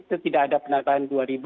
itu tidak ada penambahan dua ribu